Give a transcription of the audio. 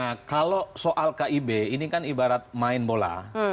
nah kalau soal kib ini kan ibarat main bola